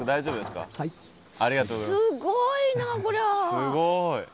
すごい。